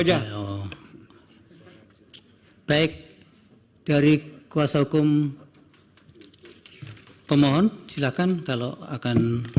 tidak ada oh baik dari kuasa hukum pemohon silakan kalau akan